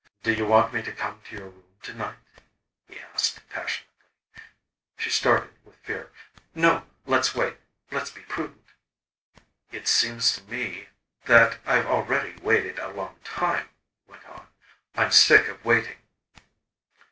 "Do you want me to come to your room to night," he asked passionately. She started with fear. "No, let's wait. Let's be prudent." "It seems to me that I've already waited a long time," he went on. "I'm sick of waiting."